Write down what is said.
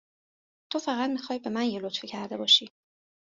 تو فقط می خوای به من یه لطفی کرده باشی